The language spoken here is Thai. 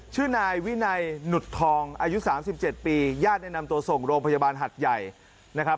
ชื่อนายวินัยหนุดทองอายุ๓๗ปีญาติเนี่ยนำตัวส่งโรงพยาบาลหัดใหญ่นะครับ